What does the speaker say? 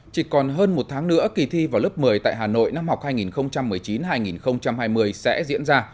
chỉ còn hơn một tháng nữa kỳ thi vào lớp một mươi tại hà nội năm học hai nghìn một mươi chín hai nghìn hai mươi sẽ diễn ra